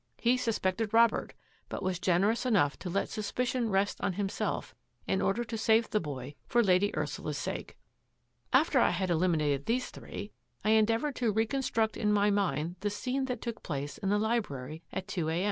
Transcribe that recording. He suspected Rob ert, but was generous enough to let suspicion rest on himself in order to save the boy for Lady Ursula's sake. " After I had eliminated these three, I endea voured to reconstruct in my mind the scene that took place in the library at two a.